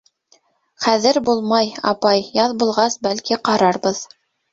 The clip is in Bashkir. — Хәҙер булмай, апай, яҙ булғас, бәлки, ҡарарбыҙ.